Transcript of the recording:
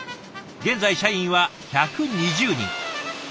現在社員は１２０人。